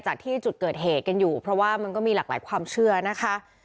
จากที่จุดเกิดเหกล้งไปกันอยู่เพราะมันก็มีหลากหลายความเชื่อนะค่ะ